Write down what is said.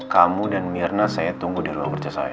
kamu dan mirna saya tunggu di raja saya